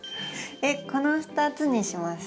この２つにします。